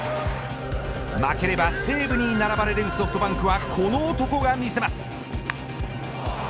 負ければ西武に並ばれるソフトバンクはこの男が見せます。